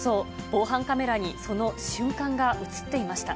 防犯カメラにその瞬間が写っていました。